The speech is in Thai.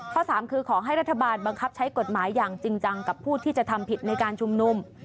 สามคือขอให้รัฐบาลบังคับใช้กฎหมายอย่างจริงจังกับผู้ที่จะทำผิดในการชุมนุม